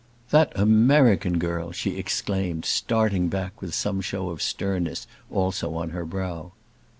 "That American girl!" she exclaimed, starting back, with some show of sternness also on her brow.